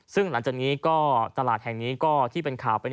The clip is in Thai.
ซึ่งหลังจากนี้ก็ตลาดแห่งนี้ก็ที่เป็นข่าวไป